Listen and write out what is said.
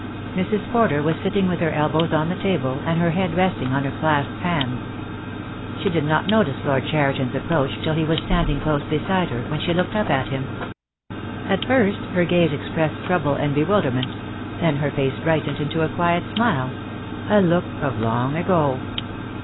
Mrs. Porter was sitting with her elbows on the table, and her head resting on her clasped hands. She did not notice Lord Cheriton's approach till he was standing close beside her, when she looked up at him. At first her gaze expressed trouble and bewilder ment; then her face brightened into a quiet smile, a look of long ago.